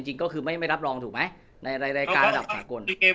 จริงก็คือไม่รับรองถูกไหมในรายการระดับสากล